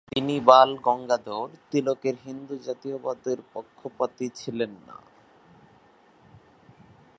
তিনি বাল গঙ্গাধর তিলকের হিন্দু জাতীয়তাবাদ এর পক্ষপাতি ছিলেন না।